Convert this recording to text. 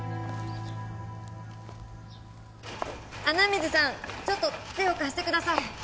穴水さんちょっと手を貸してください。